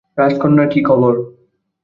রাজকন্যার কি খবর?